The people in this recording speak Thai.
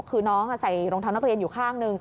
คือน้องใส่รองเท้านักเรียนอยู่ข้างหนึ่ง